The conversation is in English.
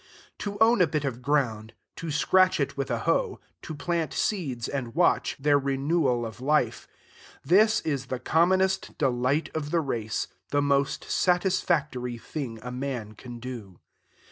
To own a bit of ground, to scratch it with a hoe, to plant seeds and watch, their renewal of life, this is the commonest delight of the race, the most satisfactory thing a man can do.